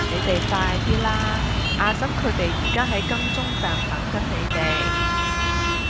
你哋快啲啦!阿嬸佢哋而家喺金鐘站等緊你哋